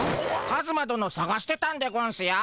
カズマどのさがしてたんでゴンスよ。